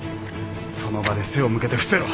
その場で背を向けて伏せろ。